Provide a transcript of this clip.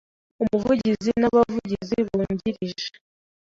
Umuvugizi n Abavugizi bungirije